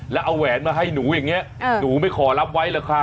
แล้วเอาแหวนมาให้หนูอย่างนี้หนูไม่ขอรับไว้หรอกค่ะ